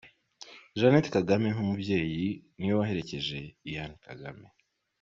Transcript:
Jeanette Kagame nk’umubyeyi, niwe waherekeje Ian Kagame.